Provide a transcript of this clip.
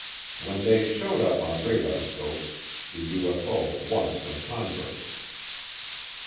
When they showed up on radarscopes, the UFO won some converts.